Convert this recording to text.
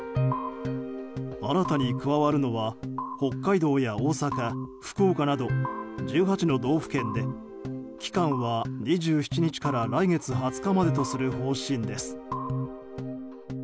新たに加わるのは北海道や大阪、福岡など１８の道府県で期間は２７日から来月２０日までとする方針です。